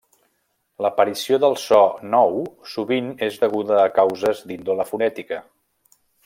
L'aparició del so nou sovint és deguda a causes d'índole fonètica.